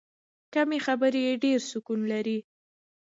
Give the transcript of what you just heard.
کمې خبرې، ډېر سکون لري.